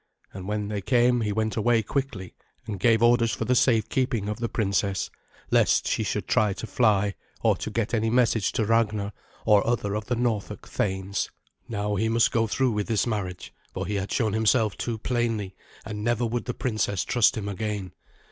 And when they came he went away quickly, and gave orders for the safe keeping of the princess, lest she should try to fly, or to get any message to Ragnar or other of the Norfolk thanes. Now he must go through with this marriage, for he had shown himself too plainly, and never would the princess trust him again.